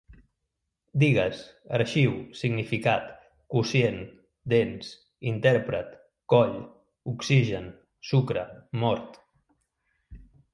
Digues: arxiu, significat, quocient, dents, intèrpret, coll, oxigen, sucre, mort